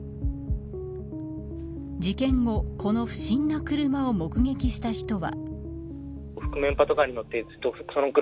事件後、この不審な車を目撃した人は。